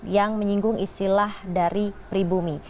yang menyinggung istilah dari pribumi